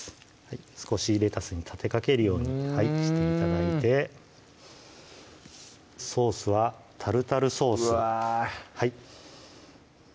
少しレタスに立てかけるようにして頂いてソースはタルタルソースうわ